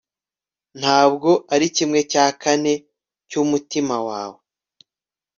Ntabwo ari kimwe cya kane cyumutima wawe